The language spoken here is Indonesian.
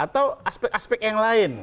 atau aspek aspek yang lain